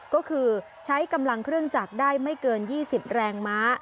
ก็คือใช้กำลังเครื่องจักรได้ไม่เกิน๒๐แรงม้า